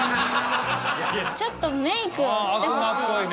ちょっとメイクをしてほしい。